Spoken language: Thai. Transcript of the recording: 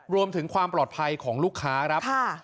รวมถึงความปลอดภัยของลูกค้าครับ